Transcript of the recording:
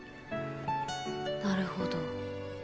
なるほど。